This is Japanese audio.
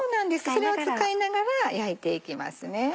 それを使いながら焼いていきますね。